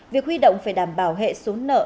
việc huy động phải đảm bảo hệ số nợ